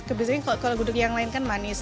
kebiasaan kalau gudeg yang lain kan manis